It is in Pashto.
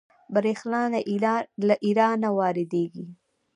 بریښنا له ایران واردوي